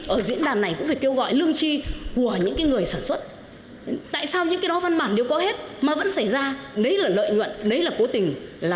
ở diễn đàn này cũng phải kêu gọi lương chi của những người sản xuất tại sao những cái đó văn bản đều có hết mà vẫn xảy ra đấy là lợi nhuận đấy là cố tình